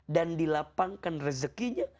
dan dilapangkan rezekinya